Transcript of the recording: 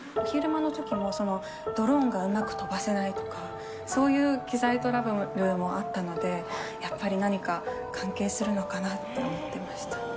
昼間のときも、ドローンがうまく飛ばせないとか、そういう機材トラブルもあったので、やっぱり何か関係するのかなって思っていました。